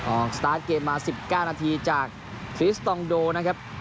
สตาร์ทเกมมา๑๙นาทีจากทริสตองโดนะครับ